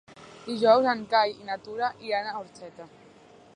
Dijous en Cai i na Tura iran a Orxeta.